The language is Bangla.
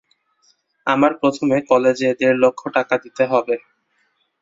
আমার প্রথমে কলেজে দেড় লক্ষ টাকা দিতে হবে।